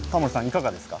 いかがですか？